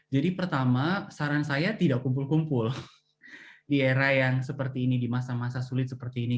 jadi pertama saran saya tidak kumpul kumpul di era yang seperti ini di masa masa sulit seperti ini